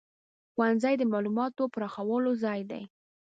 ښوونځی د معلوماتو پراخولو ځای دی.